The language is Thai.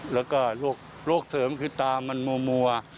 แล้วก็โรคเสริมคือตามันมัว